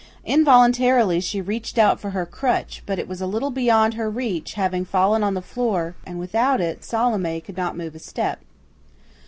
Involuntarily she reached out for her crutch; but it was a little beyond her reach, having fallen on the floor, and without it Salome could not move a step.